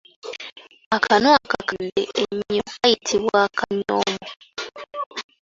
Akanu akakadde ennyo kayitibwa Akanyoomo.